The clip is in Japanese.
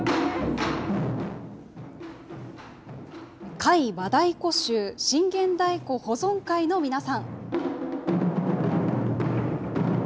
甲斐和太鼓衆信玄太鼓保存会の皆さん。